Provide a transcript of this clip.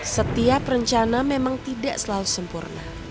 setiap rencana memang tidak selalu sempurna